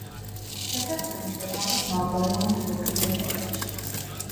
შესასვლელი მდებარეობს მავზოლეუმის ოთხივე კედელში.